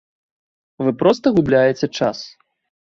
Вы проста губляеце час.